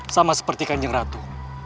sama seperti kanjeng ratu